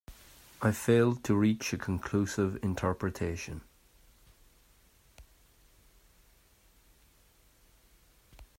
I failed to reach a conclusive interpretation.